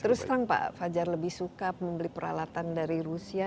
terus terang pak fajar lebih suka membeli peralatan dari rusia